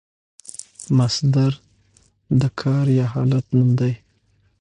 مصدر د کار یا حالت نوم دئ.